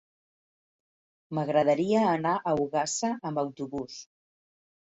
M'agradaria anar a Ogassa amb autobús.